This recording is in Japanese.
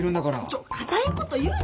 ちょ固いこと言うなち。